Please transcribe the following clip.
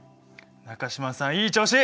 中島さんいい調子！